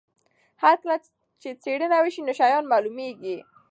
هر کله چې څېړنه وسي نوي شیان معلومیږي.